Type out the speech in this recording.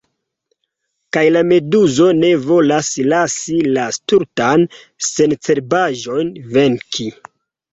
Kaj la meduzo ne volas lasi la stultan sencerbaĵon venki.